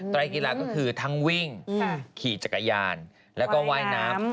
ไร้กีฬาก็คือทั้งวิ่งขี่จักรยานแล้วก็ว่ายน้ำ